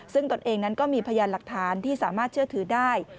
ซึ่งตนเองนั้นก็มีพยานหลักฐานที่สามารถเชื่อถือได้